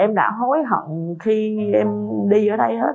em đã hối hận khi em đi ở đây hết